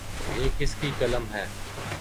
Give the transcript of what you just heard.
یہ کس کی قلم ہے ؟